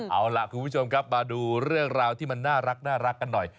เอาล่ะคุณผู้ชมครับมาดูเรื่องราวที่มันน่ารักกันหน่อย